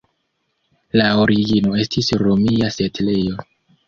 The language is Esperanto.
La origino estis romia setlejo.